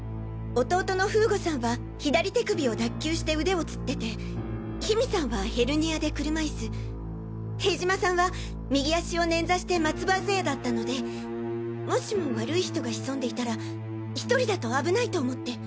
弟の風悟さんは左手首を脱臼して腕を吊ってて緋美さんはヘルニアで車イス塀島さんは右足を捻挫して松葉杖だったのでもしも悪い人が潜んでいたら１人だと危ないと思って。